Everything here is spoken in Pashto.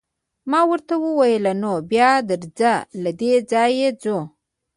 ما ورته وویل: نو بیا درځه، له دې ځایه ځو.